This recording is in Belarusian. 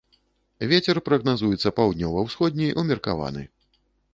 Вецер прагназуецца паўднёва-ўсходні ўмеркаваны.